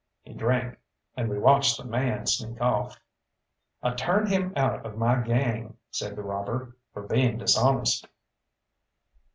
He drank, and we watched the man sneak off. "I turned him out of my gang," said the robber, "for being dishonest."